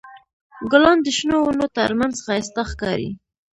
ګلان د شنو ونو تر منځ ښایسته ښکاري.